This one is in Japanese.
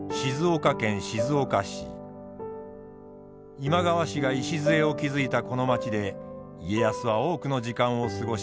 今川氏が礎を築いたこの街で家康は多くの時間を過ごしました。